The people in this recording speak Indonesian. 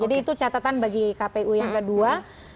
jadi itu catatan bagi kpu yang kedua